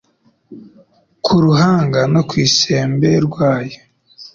ku ruhanga no ku isembe rwayo